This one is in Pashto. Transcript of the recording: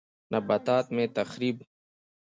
نباتات مه تخریب